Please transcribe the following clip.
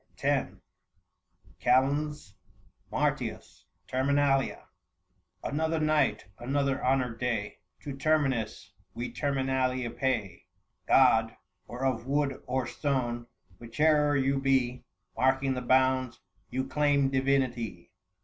THE FASTI. 57 X. KAL. MAKT. TEKMINALIA. Another night, another honoured day To Terminus we Terminalia pay. 685 God, or of wood or stone, whiche'er you be, Marking the bounds, you claim divinity.